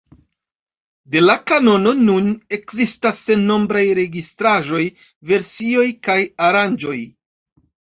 De la kanono nun ekzistas sennombraj registraĵoj, versioj kaj aranĝoj.